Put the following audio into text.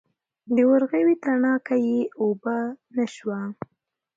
د ورغوي تڼاکه یې اوبه نه شوه.